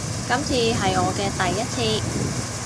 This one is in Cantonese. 今次係我嘅第一次